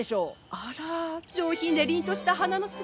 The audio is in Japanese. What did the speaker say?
あら上品で凜とした花の姿。